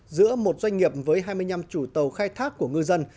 giữa một doanh nghiệp với hai mươi năm chủ tàu khai thác của ngư dân